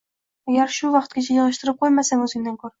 Agar bu vaqtgacha yig‘ishtirib qo‘ymasang o'zingdan ko'r.